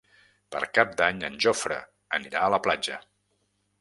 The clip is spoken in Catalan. Per Cap d'Any en Jofre anirà a la platja.